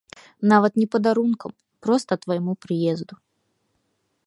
Нават не падарункам, проста твайму прыезду.